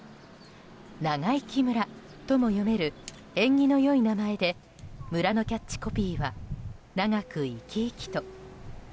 「ながいき村」とも読める縁起の良い名前で村のキャッチコピーは「ながくいきいきと」。